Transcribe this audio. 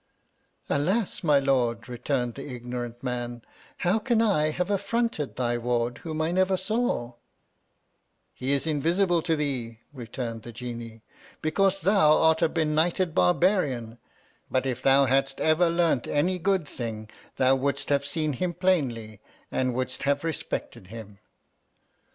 Alas, my lord, returned the ignorant man, hojv can I have affronted thy ward whom I never saw t He is invisible to thee, returned the Genie, because thou art a benighted barbarian ; but if thoii hadst ever learnt any good thing thou wouldst have seen him plainly, ami wouldst have respected him.